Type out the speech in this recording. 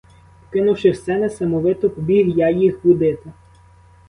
Покинувши все, несамовито побіг я їх будити.